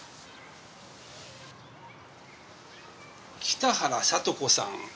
北原さと子さん。